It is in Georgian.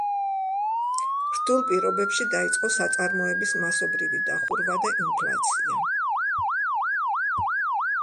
რთულ პირობებში დაიწყო საწარმოების მასობრივი დახურვა და ინფლაცია.